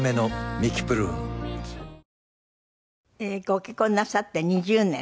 ご結婚なさって２０年。